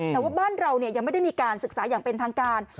แต่ว่าบ้านเรายังไม่ได้มีการศึกษาอย่างเป็นทางการ